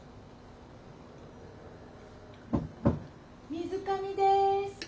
・・・水上です。